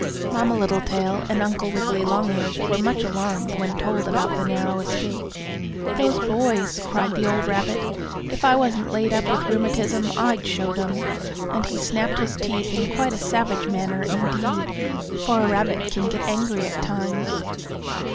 Mamma Littletail and Uncle Wiggily Longears were much alarmed when told about the narrow escape. "Those boys!" cried the old rabbit. "If I wasn't laid up with rheumatism, I'd show them!" and he snapped his teeth in quite a savage manner indeed, for a rabbit can get angry at times.